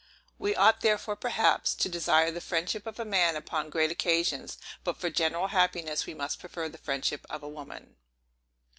We ought therefore, perhaps, to desire the friendship of a man upon great occasions; but, for general happiness, we must prefer the friendship of a woman.